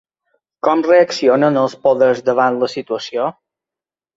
Com reaccionen els poders davant la situació?